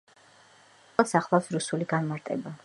ყოველ სიტყვას ახლავს რუსული განმარტება.